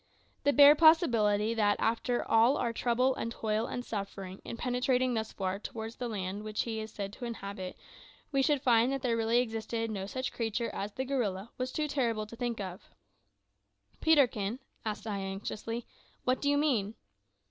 The bare possibility that, after all our trouble and toil and suffering in penetrating thus far towards the land which he is said to inhabit, we should find that there really existed no such creature as the gorilla was too terrible to think upon. "Peterkin," said I anxiously, "what do you mean?"